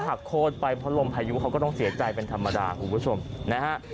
หักโค้นไปเพราะลมพายุเขาก็ต้องเสียใจเป็นธรรมดาครับขุกุศมนะครับ